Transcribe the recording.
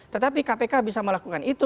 tetapi kpk bisa melakukan itu